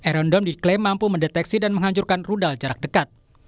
aerondom diklaim mampu mendeteksi dan menghancurkan rudal jarak dekat